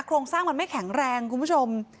โครงสร้างมันไม่แข็งแรงคุณผู้ชม